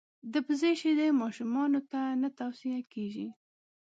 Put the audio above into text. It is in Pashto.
دبزې شیدي ماشومانوته نه تو صیه کیږي.